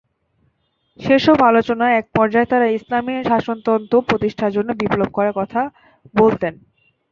সেসব আলোচনায় একপর্যায়ে তাঁরা ইসলামি শাসনতন্ত্র প্রতিষ্ঠার জন্য বিপ্লব করার কথা বলতেন।